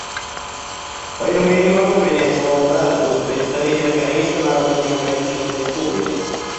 Поэтому я не могу принять слово «брат» из уст представителя Корейской Народно-Демократической Республики.